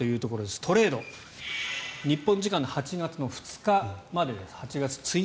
トレード日本時間の８月２日まで。